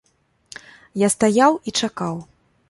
Я стаяў і чакаў.